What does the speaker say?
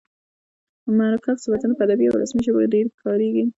مرکب صفتونه په ادبي او رسمي ژبه کښي ډېر کاریږي.